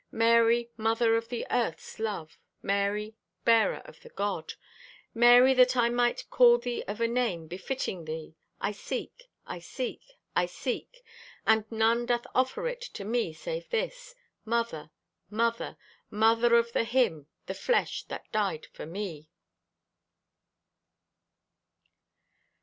Mary, mother of the earth's loved! Mary, bearer of the God! Mary, that I might call thee of a name befitting thee, I seek, I seek, I seek, and none Doth offer it to me save this: Mother! Mother! Mother of the Him; The flesh that died for me.